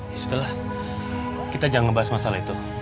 ya sudah lah kita jangan ngebahas masalah itu